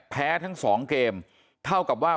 แพ้ทั้งสองเกมเท่ากับว่า